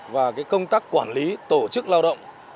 và công tác quản lý tổ chức lao động